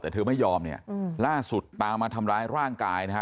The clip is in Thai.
แต่เธอไม่ยอมเนี่ยล่าสุดตามมาทำร้ายร่างกายนะฮะ